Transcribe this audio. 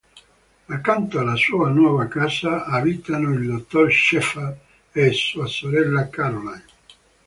Accanto alla sua nuova casa abitano il dottor Sheppard e sua sorella Caroline.